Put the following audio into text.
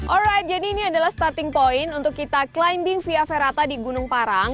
or right jadi ini adalah starting point untuk kita climbing via ferata di gunung parang